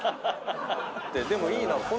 でもいいな。